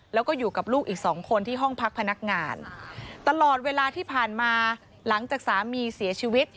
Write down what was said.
แล้วก็อยู่กับลูกอีกสองคนที่ห้องพักพนักงานตลอดเวลาที่ผ่านมาหลังจากสามีเสียชีวิต